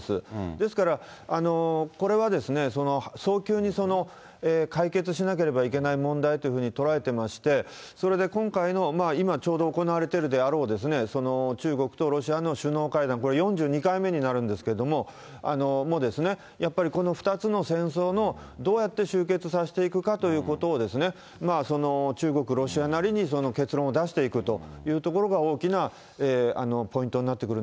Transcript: ですから、これは早急に解決しなければいけない問題というふうに捉えてまして、それで今回の、今ちょうど行われているであろう、中国とロシアの首脳会談、これ、４２回目になるんですけれども、も、やっぱりこの２つの戦争の、どうやって終結させていくかということを、中国、ロシアなりに結論を出していくというところが大きなポイントにな